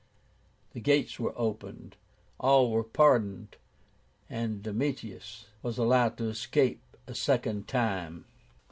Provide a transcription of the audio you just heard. The gates were opened. All were pardoned, and Domitius was allowed to escape a second time.